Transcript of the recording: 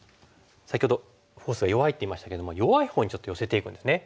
先ほどフォースが弱いって言いましたけども弱いほうにちょっと寄せていくんですね。